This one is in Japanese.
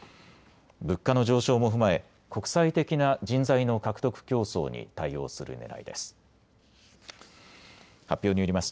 物価の上昇も踏まえ国際的な人材の獲得競争に対応するねらいです。